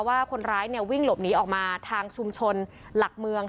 ว่าคนร้ายวิ่งหลบหนีออกมาทางชุมชนหลักเมือง